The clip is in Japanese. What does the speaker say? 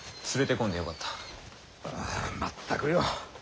ああ全くよ。